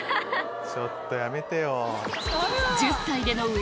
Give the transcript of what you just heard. ちょっとやめてよ。